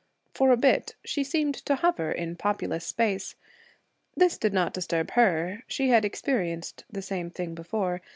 For a bit she seemed to hover in populous space. This did not disturb her; she had experienced the same thing before.